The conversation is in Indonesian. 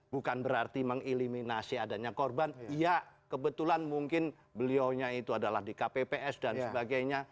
bukan berarti mengeliminasi adanya korban iya kebetulan mungkin beliaunya itu adalah di kpps dan sebagainya